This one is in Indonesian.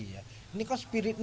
ini kan spiritnya